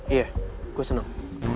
iya gue seneng